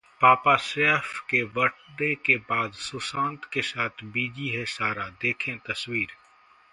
पापा सैफ के बर्थडे के बाद सुशांत के साथ बिजी हैं सारा, देखें तस्वीर